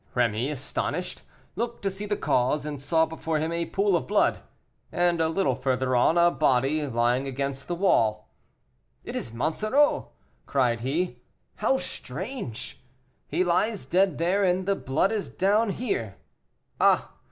Rémy, astonished, looked to see the cause, and saw before him a pool of blood, and a little further on, a body, lying against the wall. "It is Monsoreau!" cried he; "how strange! he lies dead there, and the blood is down here. Ah!